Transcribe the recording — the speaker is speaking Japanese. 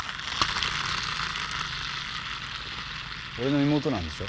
俺の妹なんでしょ？